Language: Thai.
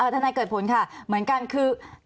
ทนายเกิดผลค่ะเหมือนกันคือ